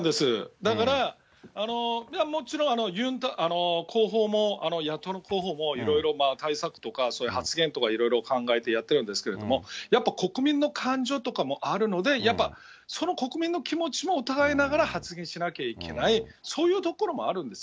だから、もちろんユン候補も野党の候補もいろいろ対策とかそういう発言とかいろいろ考えてやってるんですけど、やっぱり国民の感情とかもあるので、やっぱその国民の気持ちもうかがいながら発言しないといけない、そういうところもあるんです。